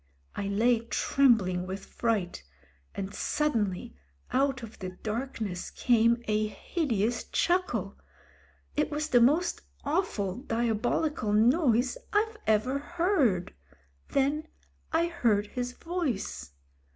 I lay trembling with fright, and suddenly out of the dark ness came a hideous chuckle. It was the most awful, diabolical noise I've ever heard. Then I heard his voice.